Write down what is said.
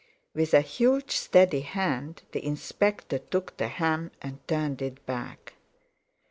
With a huge steady hand the Inspector took the hem and turned it back.